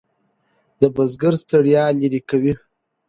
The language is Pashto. د بزګر ستړیا لرې کوي.